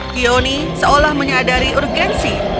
kioni seolah menyadari urgensi